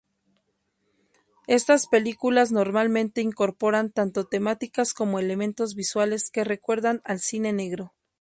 Estas películas normalmente incorporan tanto temáticas como elementos visuales que recuerdan al cine negro.